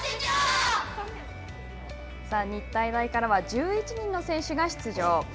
日体大からは１１人の選手が出場。